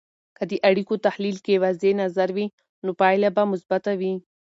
که د اړیکو تحلیل کې واضح نظر وي، نو پایله به مثبته وي.